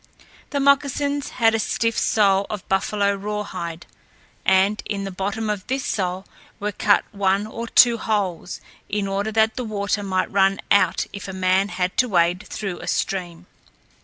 The moccasins had a stiff sole of buffalo rawhide; and in the bottom of this sole were cut one or two holes, in order that the water might run out if a man had to wade through a stream.